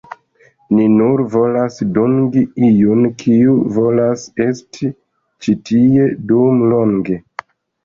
"Ni nur volas dungi iun, kiu volas esti ĉi tie dum longe.